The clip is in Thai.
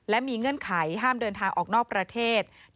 และมีเงื่อนไขห้ามเดินทางออกนอกประเทศ